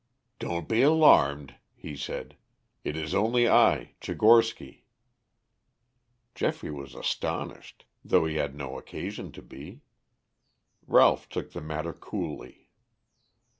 "Don't be alarmed," he said. "It is only I Tchigorsky." Geoffrey was astonished, though he had no occasion to be. Ralph took the matter coolly.